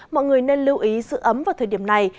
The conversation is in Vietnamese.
mọi người nên lưu ý giữ ấm vào thời điểm này